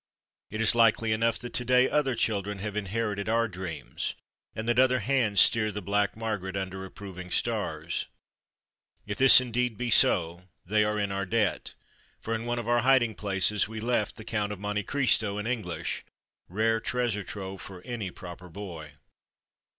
It is likely enough that to day other children have inherited our dreams, and that other hands steer the Black Mar garet under approving stars. If this indeed be so, they are in our debt, for in one of our hiding places we left the " Count of Monte Cristo " in English, rare treasure trove for any proper boy.